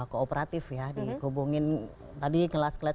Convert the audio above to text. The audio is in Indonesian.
kooperatif ya dihubungin tadi kelas kelas